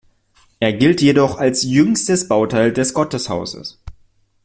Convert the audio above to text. Er gilt jedoch als jüngstes Bauteil des Gotteshauses.